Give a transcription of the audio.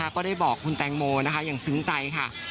ก็ได้บอกคุณแตงโมอย่างซึ้งใจค่ะ